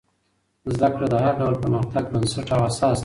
زده کړه د هر ډول پرمختګ بنسټ او اساس دی.